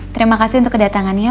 terima kasih untuk kedatangannya